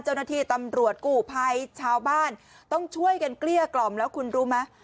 เจ้าหน้าที่ตำรวจกู่ภัยชาวบ้านต้องช่วยกันเกลี้ยกล่อมแล้วคุณรู้ไหม